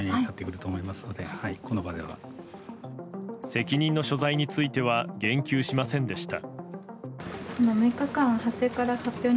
責任の所在については言及しませんでいた。